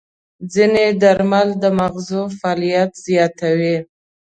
ځینې درمل د ماغزو فعالیت زیاتوي.